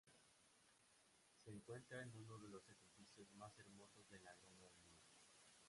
Se encuentra en uno de los edificios más hermosos de la Gran Avenida.